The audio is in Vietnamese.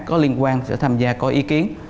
có liên quan sẽ tham gia có ý kiến